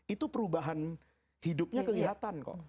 itu perubahan hidupnya kelihatan kok